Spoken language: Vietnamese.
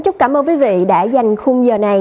cảm ơn quý vị đã theo dõi